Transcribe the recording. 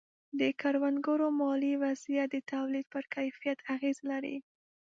د کروندګرو مالي وضعیت د تولید پر کیفیت اغېز لري.